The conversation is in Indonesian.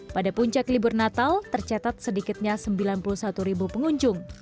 pada puncak libur natal tercatat sedikitnya sembilan puluh satu ribu pengunjung